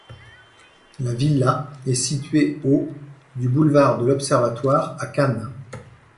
La villa est située au du boulevard de l'Observatoire, à Cannes.